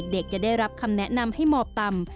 จะได้รับคำแนะนำให้หมอบต่ำ